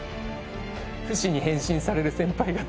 フシに変身される先輩方。